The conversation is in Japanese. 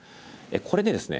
これでですね